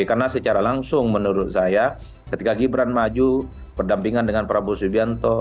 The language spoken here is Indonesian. karena secara langsung menurut saya ketika gibran maju berdampingan dengan prabowo subianto